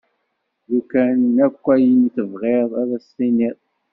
Lukan akk ayen tebɣiḍ ad as-tiniḍ.